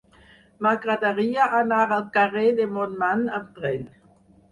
M'agradaria anar al carrer de Montmany amb tren.